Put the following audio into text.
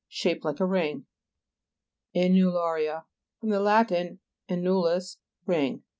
Shaped like a ring. ANNULA'R*A fr. lat. annulus, ring.